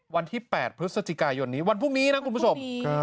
วันที่๘พฤศจิกายนนี้วันพรุ่งนี้นะคุณผู้ชม